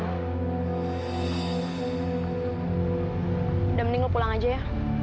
udah mending mau pulang aja ya